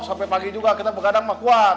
sampai pagi juga kita bergadang pak kuat